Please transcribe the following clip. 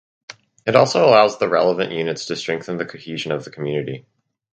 It also allows the relevant units to strengthen the cohesion of the community.